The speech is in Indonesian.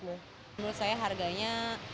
menurut saya harganya